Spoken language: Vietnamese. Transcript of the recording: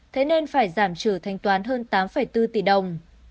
thế nên phải giảm trừ thanh toán hơn tám bốn tỷ đồng